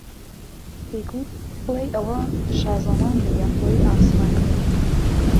دهیگوت بڵێی ئه وهشازەمان بێ یا حۆری عاسمانییه